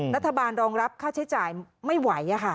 รัฐบาลรองรับค่าใช้จ่ายไม่ไหวค่ะ